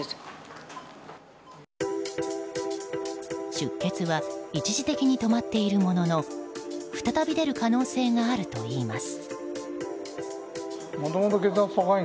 出血は一時的に止まっているものの再び出る可能性があるといいます。